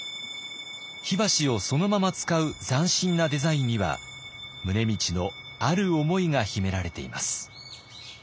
火箸をそのまま使う斬新なデザインには宗理のある思いが秘められています。